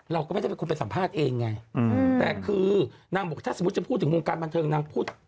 เราก็ไม่ได้เป็นคนไปสัมภาษณ์เองไงแต่คือนางบอกถ้าสมมุติจะพูดถึงวงการบันเทิงนางพูด